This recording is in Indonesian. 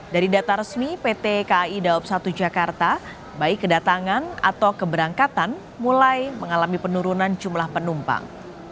dari data resmi pt kai dawab satu jakarta baik kedatangan atau keberangkatan mulai mengalami penurunan jumlah penumpang